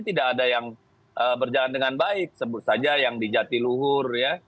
tidak ada yang berjalan dengan baik sebut saja yang di jatiluhur ya